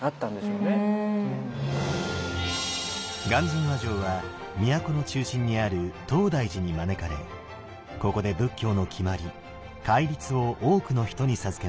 鑑真和上は都の中心にある東大寺に招かれここで仏教の決まり戒律を多くの人に授けました。